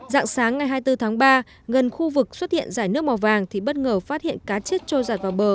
dạng sáng ngày hai mươi bốn tháng ba gần khu vực xuất hiện giải nước màu vàng thì bất ngờ phát hiện cá chết trôi giặt vào bờ